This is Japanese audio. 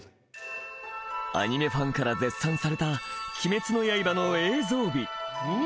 ［アニメファンから絶賛された『鬼滅の刃』の］